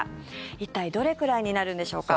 一体、どれくらいになるんでしょうか。